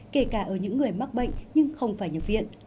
kể cả ở những người mắc bệnh nhưng không phải nhập viện